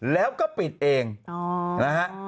แล้วก็ปิดเองนะฮะ